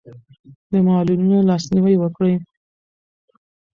د معلولینو لاسنیوی وکړئ.